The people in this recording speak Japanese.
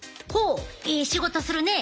ええ仕事するねムチン。